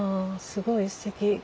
すごいすてき。